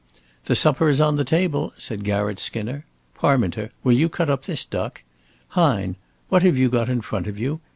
"The supper is on the table," said Garratt Skinner. "Parminter, will you cut up this duck? Hine, what have you got in front of you?